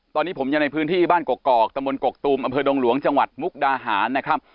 ตอนนี้ผมอยู่ในพื้นที่บ้านกกอกกอกตมกกตุมอดงหลวงจมุกดาหารนะครับ